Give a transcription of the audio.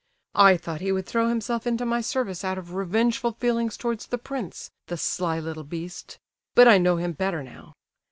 I thought he would throw himself into my service out of revengeful feelings towards the prince, the sly little beast! But I know him better now.